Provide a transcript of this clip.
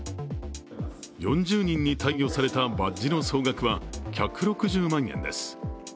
４０人に貸与されたバッジの総額は１６０万円です。